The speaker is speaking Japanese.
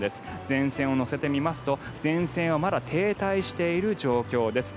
前線を乗せてみますと前線はまだ停滞している状況です。